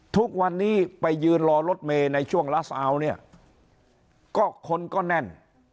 ทุกวันนี้ไปยืนรอรถเมย์ในช่วงลัสเอาเนี่ยก็คนก็แน่น